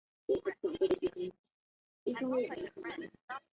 阿尔克鲁宾是葡萄牙阿威罗区的一个堂区。